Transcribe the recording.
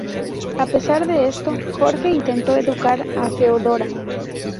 A pesar de esto, Jorge intentó educar a Feodora.